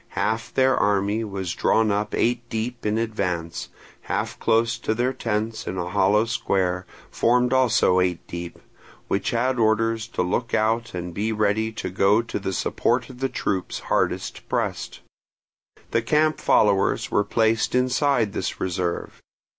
Half their army was drawn up eight deep in advance, half close to their tents in a hollow square, formed also eight deep, which had orders to look out and be ready to go to the support of the troops hardest pressed. The camp followers were placed inside this reserve.